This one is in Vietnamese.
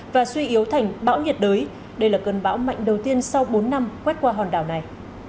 và suy yếu thành bão nhiệt đới đây là cơn bão mạnh đầu tiên sau bốn năm quét qua hòn đảo này